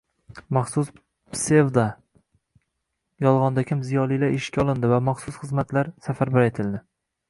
maxsus psevdo, yolg‘ondakam ziyolilar ishga olindi va maxsus xizmatlar safarbar etildi.